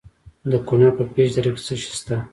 د کونړ په پيچ دره کې څه شی شته؟